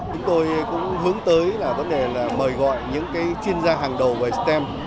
chúng tôi cũng hướng tới là vấn đề là mời gọi những chuyên gia hàng đầu về stem